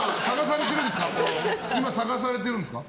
今、探されてるんですか？